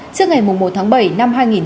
trước ngày một tháng bảy